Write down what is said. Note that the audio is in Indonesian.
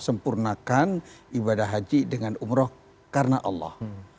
sempurnakan ibadah haji dengan umroh karena allah